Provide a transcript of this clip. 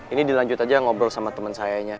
ini dilanjut aja ngobrol sama temen sayanya